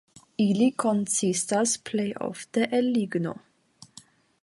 Ili konsistas plej ofte el ligno.